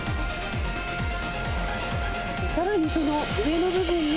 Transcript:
さらにその上の部分に、